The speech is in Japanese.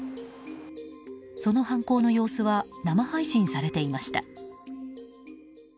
その犯行の様子は生配信されていました。